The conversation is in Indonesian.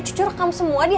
cucu rekam semua di hp